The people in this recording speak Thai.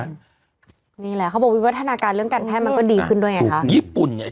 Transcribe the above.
นี่แหละเขาบอกวิวัฒนาการเรื่องการแพทย์มันก็ดีขึ้นด้วยไงคะญี่ปุ่นไง